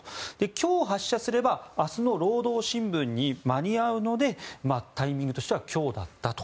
今日発射すれば明日の労働新聞に間に合うのでタイミングとしては今日だったと。